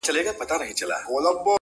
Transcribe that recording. نه ټیټېږي بې احده پښتون سر دقاسمیاردی-